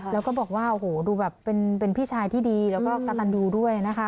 แล้วก็บอกว่าโอ้โหดูแบบเป็นพี่ชายที่ดีแล้วก็กระตันยูด้วยนะคะ